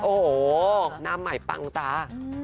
โอ้โหหน้าใหม่ปังตา